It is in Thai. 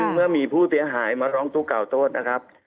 เมื่อมีผู้เสียหายมาร้องทุกข่าโทษนะครับ